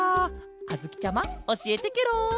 あづきちゃまおしえてケロ！